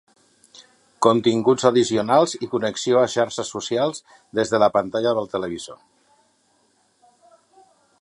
Continguts addicionals i connexió a xarxes socials des de la pantalla del televisor.